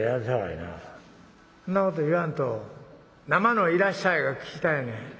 「そんなこと言わんと生の『いらっしゃい』が聞きたいねん。